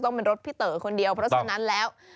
ต้องเป็นรถพี่เต๋อคนเดียวเพราะฉะนั้นแล้ว